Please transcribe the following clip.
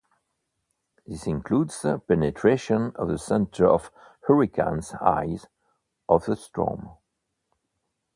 This includes penetration of the center or hurricane eye of the storm.